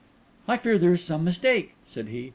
"I fear there is some mistake," said he.